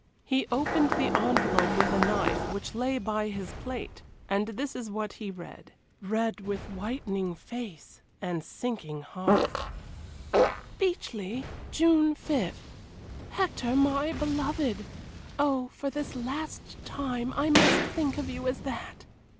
He opened the envelope with a knife which lay by his plate, and this is what he read read with whitening face and sinking heart: "BEECHLEIGH, June 5th. HECTOR, MY BELOVED! Oh, for this last time I must think of you as that!